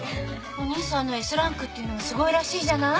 お兄さんのＳランクっていうのはすごいらしいじゃない。